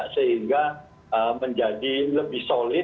sehingga menjadi lebih solid